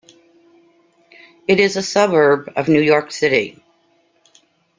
It is a suburb of New York City.